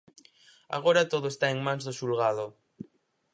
Agora todo está en mans do xulgado.